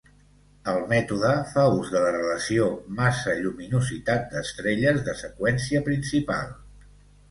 El mètode fa ús de la relació massa-lluminositat d'estrelles de seqüència principal.